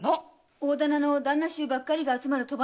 大店の旦那衆ばかりが集まる賭場なんだよ。